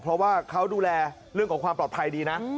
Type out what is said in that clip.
เพราะว่าเขาดูแลเรื่องของความปลอดภัยดีนะ